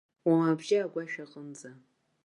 Уама бжьа агәашә аҟынӡа.